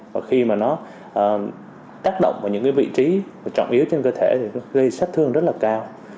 và khi mà nó tác động vào những vị trí trọng yếu trên cơ thể thì nó gây sát thương rất là cao